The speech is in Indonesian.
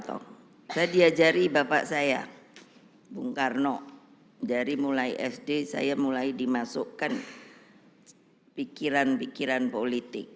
saya diajari bapak saya bung karno dari mulai sd saya mulai dimasukkan pikiran pikiran politik